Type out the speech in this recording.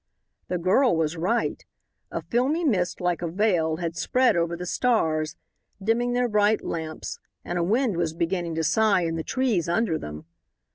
The girl was right. A filmy mist, like a veil, had spread over the stars, dimming their bright lamps, and a wind was beginning to sigh in the trees under them.